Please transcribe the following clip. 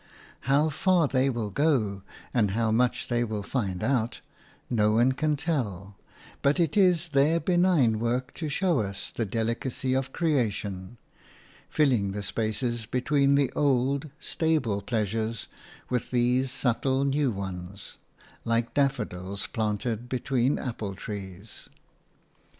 How far they will go and how much they will find out, no one can tell; but it is their benign work to show us the delicacy of creation – filling the spaces between the old, stable pleasures with these subtle new ones, like daffodils planted between apple trees.